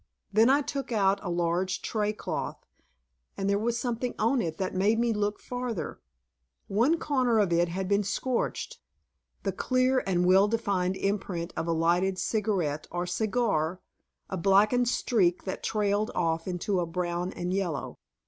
Then I took out a large tray cloth, and there was something on it that made me look farther. One corner of it had been scorched, the clear and well defined imprint of a lighted cigarette or cigar, a blackened streak that trailed off into a brown and yellow.